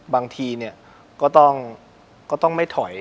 บางทีก็ต้องไม่ถอย